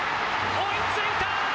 追いついた！